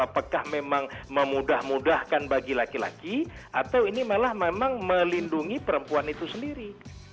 apakah memang memudah mudahkan bagi laki laki atau ini malah memang melindungi perempuan itu sendiri